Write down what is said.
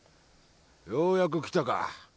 ようやく来たか。